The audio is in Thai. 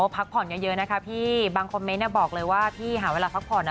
พักผ่อนเยอะนะคะพี่บางคอมเมนต์บอกเลยว่าพี่หาเวลาพักผ่อนนะ